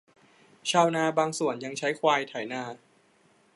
ชาวนาบางส่วนยังใช้ควายไถนา